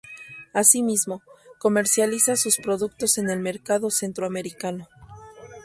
Así mismo, comercializa sus productos en el mercado centroamericano.